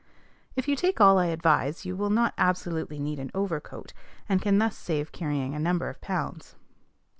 If you take all I advise, you will not absolutely need an overcoat, and can thus save carrying a number of pounds.